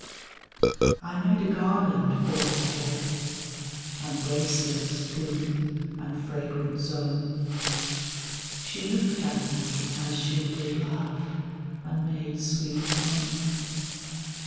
I made a garland for her head, And bracelets too, and fragrant zone; She looked at me as she did love, And made sweet moan.